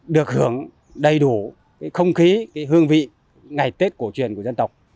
được hưởng đầy đủ không khí hương vị ngày tết cổ truyền của dân tộc